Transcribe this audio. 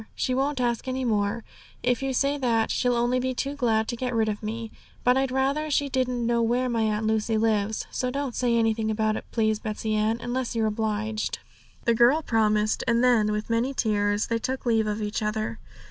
She won't ask any more, if you say that; she'll only be too glad to get rid of me. But I'd rather she didn't know where my Aunt Lucy lives; so don't say anything about it, please, Betsey Ann, unless you're obliged.' The girl promised, and then with many tears they took leave of each other.